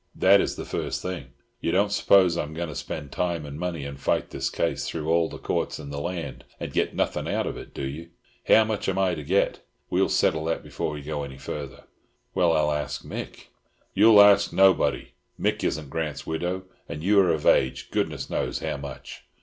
That is the first thing. You don't suppose I am going to spend time and money and fight this case through all the Courts in the land, and get nothing out of it, do you? How much am I to get? We'll settle that before we go any further." "Well, I'll ask Mick." "You'll ask nobody. Mick isn't Grant's widow, and you are of age, goodness knows. How much?"